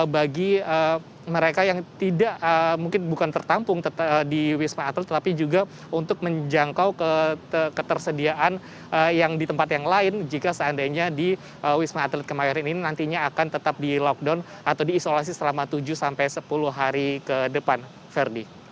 bagi mereka yang tidak mungkin bukan tertampung di wisma atlet tetapi juga untuk menjangkau ketersediaan yang di tempat yang lain jika seandainya di wisma atlet kemayoran ini nantinya akan tetap di lockdown atau diisolasi selama tujuh sampai sepuluh hari ke depan